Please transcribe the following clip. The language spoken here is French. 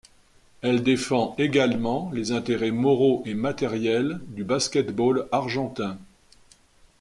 Elle défend également les intérêts moraux et matériels du basket-ball argentin.